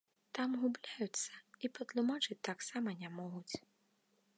Там губляюцца і патлумачыць таксама не могуць.